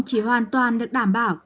chỉ hoàn toàn được đảm bảo